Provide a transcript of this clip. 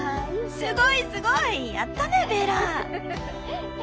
すごいすごいやったねベラ！